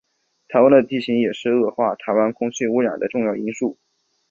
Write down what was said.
台湾的地形也是恶化台湾空气污染的重要因素。